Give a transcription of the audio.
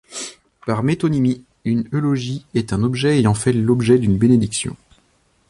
Par métonymie, une eulogie est un objet ayant fait l'objet d'une bénédiction.